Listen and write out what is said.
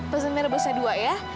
pesan mie rebusnya dua ya